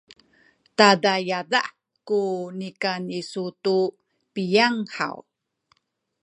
tada yadah ku nikan isu tu piyang haw?